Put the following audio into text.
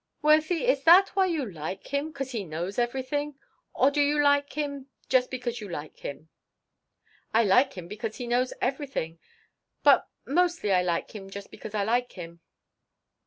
"Worthie, is that why you like him? 'Cause he knows everything? Or do you like him just because you like him?" "I like him because he knows everything but mostly I like him just because I like him."